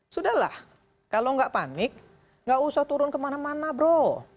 sudah lah kalau nggak panik nggak usah turun kemana mana bro